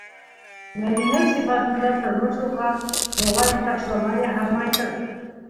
Мәҙинә сифатында тормош уға, моғайын, ташлама яһамайҙыр.